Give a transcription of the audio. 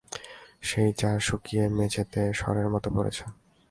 সেই চা শুকিয়ে মেঝেতে সরের মতো পড়েছে।